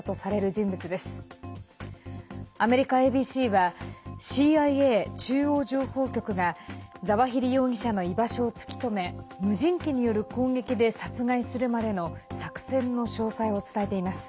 ＡＢＣはＣＩＡ＝中央情報局がザワヒリ容疑者の居場所を突き止め、無人機による攻撃で殺害するまでの作戦の詳細を伝えています。